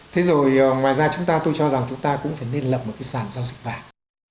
thế rồi ngoài ra chúng ta tôi cho rằng chúng ta cũng phải nên lập một cái sản giao dịch vàng